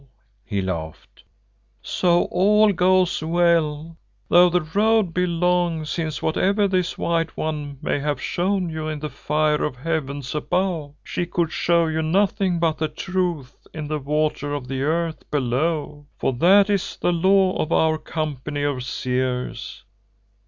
_" he laughed, "so all goes well, though the road be long, since whatever this White One may have shown you in the fire of the heavens above, she could show you nothing but truth in the water of the earth below, for that is the law of our company of seers.